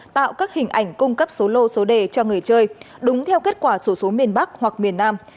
tạo các hình ảnh cung cấp số lô số đề cho người chơi đúng theo kết quả số số miền bắc hoặc miền nam